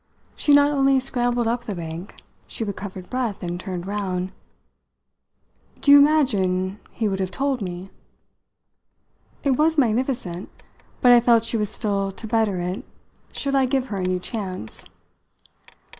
She not only scrambled up the bank, she recovered breath and turned round. "Do you imagine he would have told me?" It was magnificent, but I felt she was still to better it should I give her a new chance.